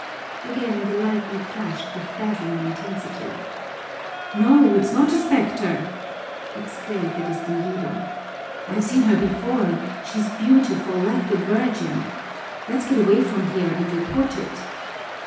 Again the lightning flashed with dazzling intensity. "No, it's not a specter!" exclaimed the distinguido. "I've seen her before. She's beautiful, like the Virgin! Let's get away from here and report it."